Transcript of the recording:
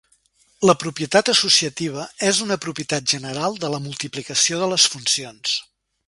La propietat associativa és una propietat general de la multiplicació de les funcions.